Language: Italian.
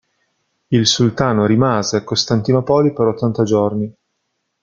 Il sultano rimase a Costantinopoli per ottanta giorni.